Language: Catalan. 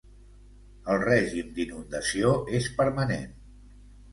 El règim d'inundació és permanent.